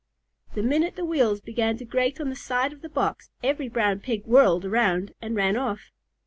The minute the wheels began to grate on the side of the box, every Brown Pig whirled around and ran off.